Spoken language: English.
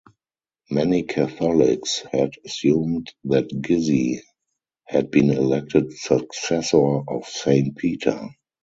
Many Catholics had assumed that Gizzi had been elected successor of Saint Peter.